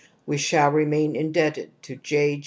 We shall remain indebted to J.